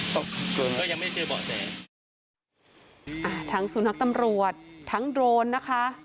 โดนก็ยังไม่เจอเบาะแสอ่าทั้งสุนัขตำรวจทั้งโดรนนะคะ